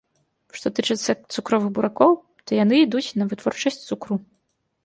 Што тычацца цукровых буракоў, то яны ідуць на вытворчасць цукру.